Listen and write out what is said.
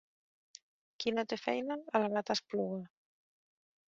Qui no té feina, el gat espluga.